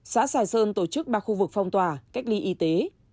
xã sài sơn tổ chức ba khu vực phong tỏa cách ly y tế